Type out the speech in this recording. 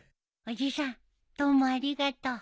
伯父さんどうもありがとう。